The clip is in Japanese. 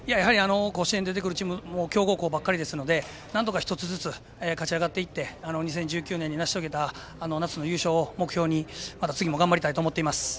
甲子園に出てくるチームは強豪校ばかりですので１つずつ勝ち上がって２０１９年に成し遂げた夏の優勝を目標に次も頑張りたいと思います。